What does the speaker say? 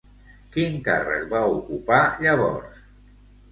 Quin càrrec va ocupar llavors?